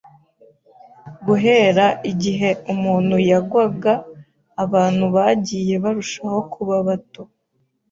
Guhera igihe umuntu yagwaga, abantu bagiye barushaho kuba bato